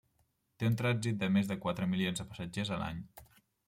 Té un trànsit de més de quatre milions de passatgers a l'any.